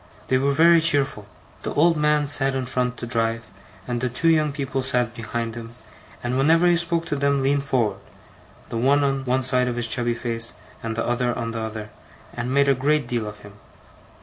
They were very cheerful. The old man sat in front to drive, and the two young people sat behind him, and whenever he spoke to them leaned forward, the one on one side of his chubby face and the other on the other, and made a great deal of him.